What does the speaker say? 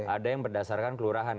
ada yang berdasarkan kelurahan